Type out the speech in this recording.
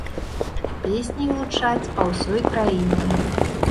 Песні гучаць па ўсёй краіне.